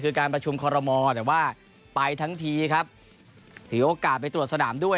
คือการประชุมคอรมอแต่ว่าไปทั้งทีครับถือโอกาสไปตรวจสนามด้วย